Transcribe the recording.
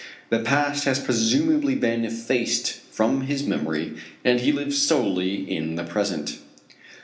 The past has presumably been effaced from his memory and he lives solely in the present.